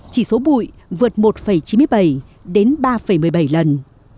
chỉ số bụi vượt một chín mươi bảy đến ba một mươi bảy lần